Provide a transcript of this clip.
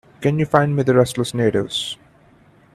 Can you find me the Restless Natives?